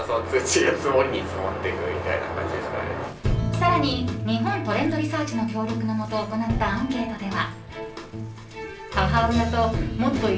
更に、日本トレンドリサーチの協力のもと行ったアンケートでは。